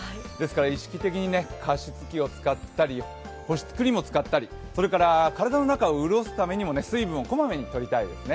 意識的に加湿器を使ったり保湿クリームを使ったり体の中を潤すためにも水分を小まめにとりたいですね。